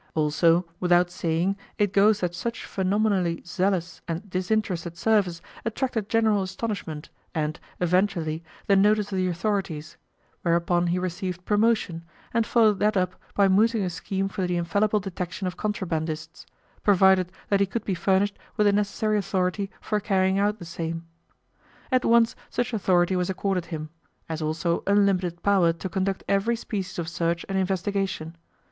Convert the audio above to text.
Also, without saying it goes that such phenomenally zealous and disinterested service attracted general astonishment, and, eventually, the notice of the authorities; whereupon he received promotion, and followed that up by mooting a scheme for the infallible detection of contrabandists, provided that he could be furnished with the necessary authority for carrying out the same. At once such authority was accorded him, as also unlimited power to conduct every species of search and investigation.